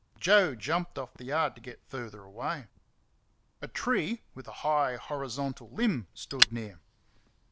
Joe jumped off the yard to get further away. A tree, with a high horizontal limb, stood near.